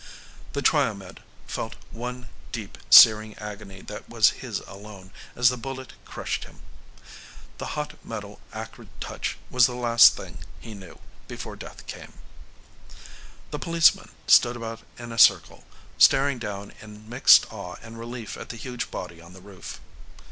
The Triomed felt one deep, searing agony that was his alone as the bullet crushed him. The hot metal acrid touch was the last thing he knew before death came.... The policemen stood about in a circle, staring down in mixed awe and relief at the huge body on the roof.